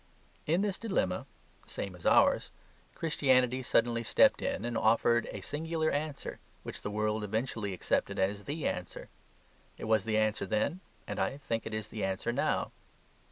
In this dilemma (the same as ours) Christianity suddenly stepped in and offered a singular answer, which the world eventually accepted as THE answer. It was the answer then, and I think it is the answer now.